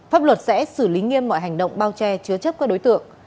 pháp luật sẽ xử lý nghiêm mọi hành động bao che chứa chấp các đối tượng